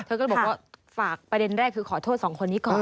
เธอก็บอกว่าฝากประเด็นแรกคือขอโทษสองคนนี้ก่อน